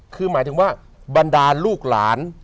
คือหมายถึงว่าบรรดาลูกหลาน